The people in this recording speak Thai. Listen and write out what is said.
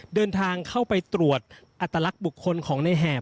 เดินทางเข้าไปตรวจอัตลักษณ์บุคคลของในแหบ